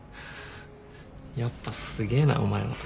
やっぱすげえなお前は。